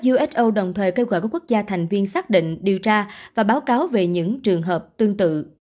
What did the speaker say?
uso đồng thời kêu gọi các quốc gia thành viên xác định điều tra và báo cáo về những trường hợp tương tự